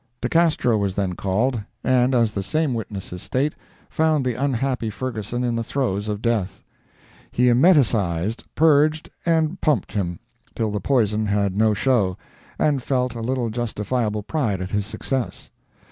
De Castro was then called, and as the same witnesses state, found the unhappy Ferguson in the throes of death. He emeticized, purged and pumped him, till the poison had no show, and felt a little justifiable pride at his success.